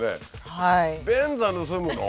便座盗むの？